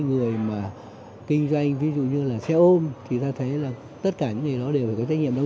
người mà kinh doanh ví dụ như là xe ôm thì ta thấy là tất cả những gì đó đều phải có trách nhiệm đâu